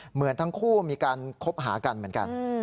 เหมือนทั้งคู่มีการคบหากันเหมือนกัน